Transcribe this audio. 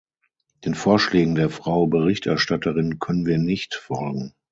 Den Vorschlägen der Frau Berichterstatterin können wir nicht folgen.